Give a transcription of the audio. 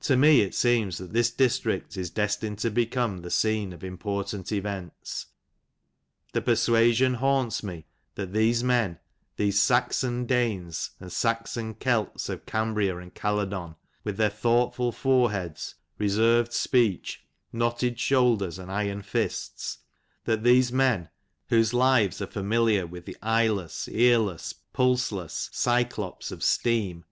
To me it seems that this district is destined to become the scene of important events. The persuasion haunts me, that these men, these Saxon Danes, and Saxon Celts of Cambria and Caledon, with their thoughtful foreheads, reserved speech, knotted shoulders, and iron fists ; that these men, whose lives are familiar with the eyeless, earless, pulseless Cyclopes of steam ; xur.